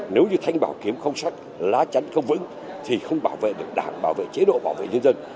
nếu như thanh bảo kiếm không sắc lá chắn không vững thì không bảo vệ được đảng bảo vệ chế độ bảo vệ nhân dân